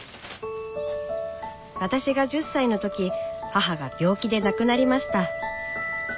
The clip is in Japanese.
私が１０歳の時母が病気で亡くなりました。